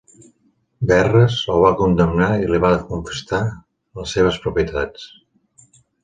Verres el va condemnar i li va confiscar les seves propietats.